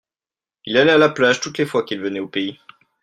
Il allait à la plage toutes les fois qu'il venait au pays.